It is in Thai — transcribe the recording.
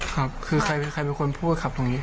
ครับคือใครเป็นคนพูดครับตรงนี้